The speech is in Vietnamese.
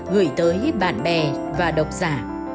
gửi tới bạn bè và độc giả